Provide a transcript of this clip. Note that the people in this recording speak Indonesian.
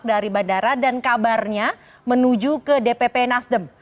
kedaraan dan kabarnya menuju ke dpp nasdam